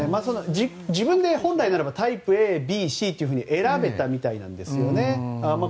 自分で本来ならばタイプＡ、Ｂ、Ｃって選べたみたいですね。